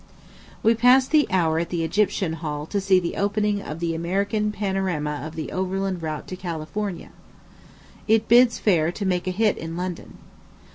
We passed an hour at the Egyptian Hall to see the opening of the American Panorama of the Overland Route to California. It bids fair to make a hit in London.